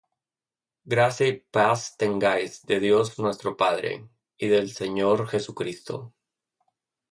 Gracia y paz tengáis de Dios nuestro Padre, y del Señor Jesucristo.